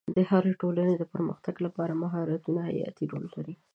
د هرې ټولنې د پرمختګ لپاره مهارتونه حیاتي رول لري.